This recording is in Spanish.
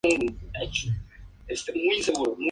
Estará en el viaducto donde pasaran los trenes.